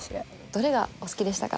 どれがお好きでしたか？